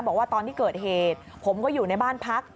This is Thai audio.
บอกว่าตอนที่เกิดเหตุผมก็อยู่ในบ้านพัก